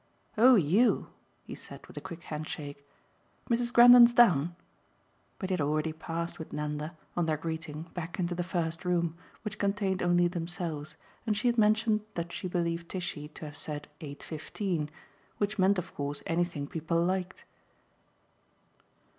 "Oh YOU?" he said with a quick handshake. "Mrs. Grendon's down?" But he had already passed with Nanda, on their greeting, back into the first room, which contained only themselves, and she had mentioned that she believed Tishy to have said 8.15, which meant of course anything people liked.